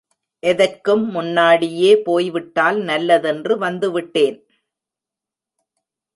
எதற்கும் முன்னாடியே போய்விட்டால் நல்லதென்று வந்து விட்டேன்?